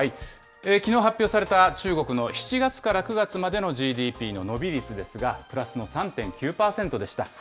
きのう発表された中国の７月から９月までのＧＤＰの伸び率ですが、プラスの３．９％でした。